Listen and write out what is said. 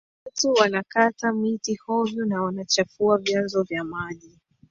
Watu wanakata miti hovyo na wanachafua vyanzo vya maji